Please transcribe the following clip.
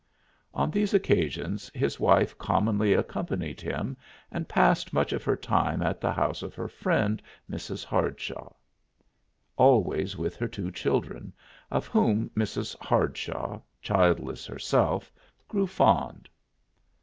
On these occasions his wife commonly accompanied him and passed much of her time at the house of her friend, Mrs. Hardshaw, always with her two children, of whom Mrs. Hardshaw, childless herself, grew fond.